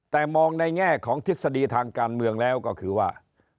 แต่มองในแง่ของทฤษฎีทางการเมืองแล้วก็คือว่า